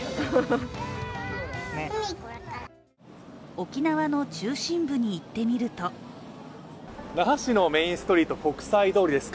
沖縄の中心部に行ってみると那覇市のメインストリート国際通りです。